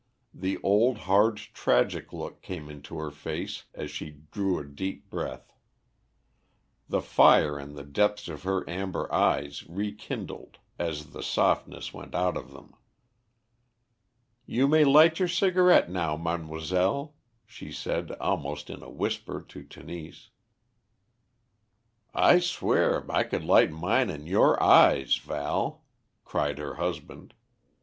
The old, hard, tragic look came into her face as she drew a deep breath. The fire in the depths of her amber eyes rekindled, as the softness went out of them. "You may light your cigarette now, mademoiselle," she said almost in a whisper to Tenise. "I swear I could light mine in your eyes, Val.," cried her husband.